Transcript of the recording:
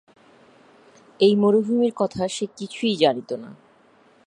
এ মরুভূমির কথা সে কিছুই জানিত না।